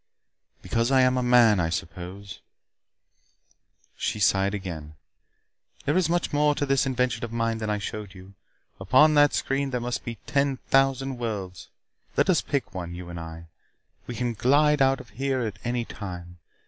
"Because I am a man, I suppose." She sighed again. "There is much more to this invention of mine that I showed you. Upon that screen there must be ten thousand worlds. Let us pick one, you and I. We can glide out of here at any time.